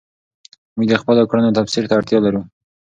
موږ د خپلو کړنو تفسیر ته اړتیا لرو.